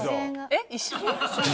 えっ、一緒に？